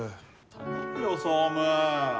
頼むよ総務。